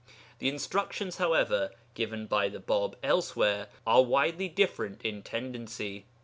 The instructions, however, given by the Bāb elsewhere are widely different in tendency.